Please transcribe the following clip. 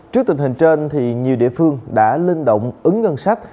trước tình hình trên nhiều địa phương đã linh động ứng ngân sách